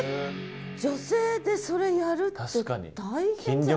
女性でそれやるって大変じゃない？